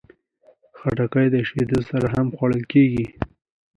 خټکی د شیدو سره هم خوړل کېږي.